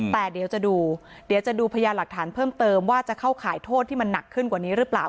แต่เดี๋ยวจะดูเดี๋ยวจะดูพยานหลักฐานเพิ่มเติมว่าจะเข้าข่ายโทษที่มันหนักขึ้นกว่านี้หรือเปล่า